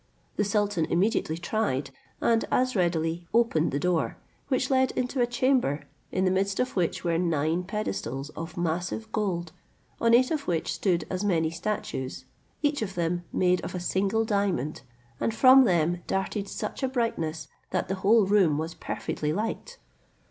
The sultan immediately tried, and as readily opened the door, which led into a chamber, in the midst of which were nine pedestals of massive gold, on eight of which stood as many statues, each of them made of a single diamond, and from them darted such a brightness, that the whole room was perfectly light.